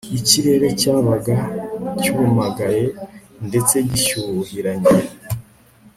Ikirere cyabaga cyumagaye ndetse gishyuhiranye